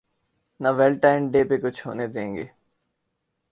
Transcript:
نہ Valentine day پہ کچھ ہونے دیں گے۔